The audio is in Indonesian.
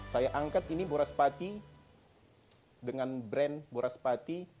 saya angkat ini boras pati dengan brand boras pati